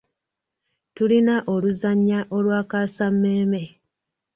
Tulina oluzannya olwakaasa mmeeme.